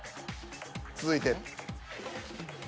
続いて。